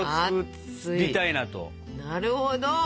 なるほど。